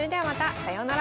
さようなら。